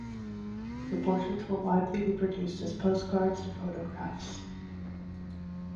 The portraits were widely reproduced as postcards and photographs.